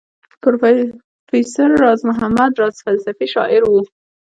پروفیسر راز محمد راز فلسفي شاعر وو.